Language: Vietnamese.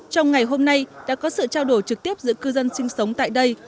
trong ngày hôm nay đã có sự trao đổi trực tiếp giữa cư dân sinh sống tại đây